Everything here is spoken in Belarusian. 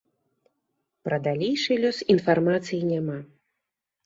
Пра далейшы лёс інфармацыі няма.